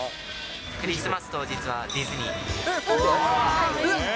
クリスマス当日はディズニー。